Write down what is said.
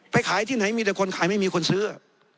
ขายที่ไหนมีแต่คนขายไม่มีคนซื้อ